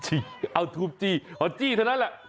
จริงเอาทูปจี้เอาจี้เท่านั้นแหละ